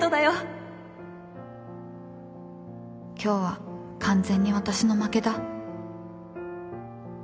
今日は完全に私の負けだ。